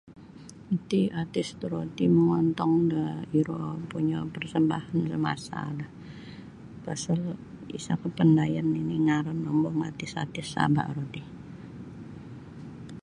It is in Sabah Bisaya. Iti artis toroti mongontong da iro punya parsambahan samasa lah pasal isa kapandaian nini ngaran ombo artis-artis Sabah ro ti.